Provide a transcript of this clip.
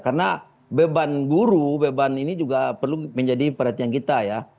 karena beban guru beban ini juga perlu menjadi perhatian kita ya